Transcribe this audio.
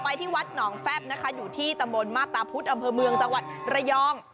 ไปที่วัดหนองแฟพอยู่ที่ตะโมนมาตราพุธอำเภอเมืองจังหวัดระยอง